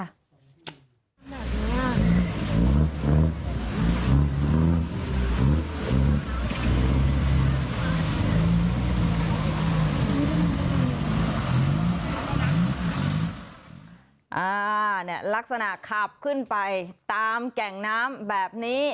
เนี่ยลักษณะขับขึ้นไปตามแก่งน้ำแบบนี้